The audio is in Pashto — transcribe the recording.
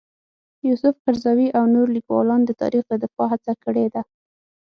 یوسف قرضاوي او نور لیکوالان د تاریخ د دفاع هڅه کړې ده.